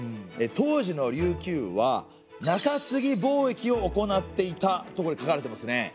当時の琉球は中継貿易を行っていたとこれ書かれてますね。